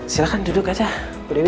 silahkan duduk aja bu dewi